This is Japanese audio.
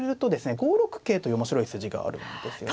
５六桂という面白い筋があるんですよね。